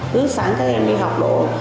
thứ sáng các em đi học bộ